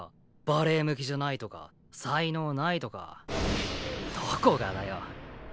バレエ向きじゃないとか才能ないとかどこがだよ。